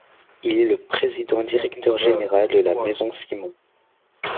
Il est le président-directeur général de La Maison Simons.